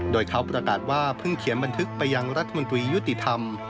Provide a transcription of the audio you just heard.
โดยเขาประกาศว่าเพิ่งเขียนบันทึกไปยังรัฐมนตรียุติธรรม